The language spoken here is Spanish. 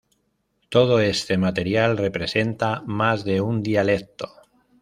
Todo este material representa más de un dialecto.